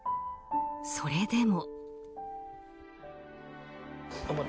それでも。